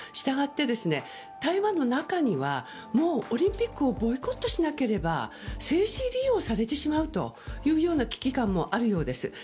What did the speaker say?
従って、台湾の中にはもうオリンピックをボイコットしなければ政治利用をされてしまうというような危機感もあるようです。